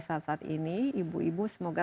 saat saat ini ibu ibu semoga